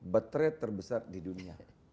betre terbesar di dunia